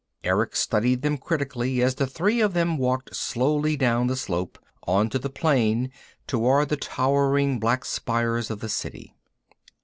Erick studied them critically as the three of them walked slowly down the slope, onto the plain, toward the towering black spires of the City.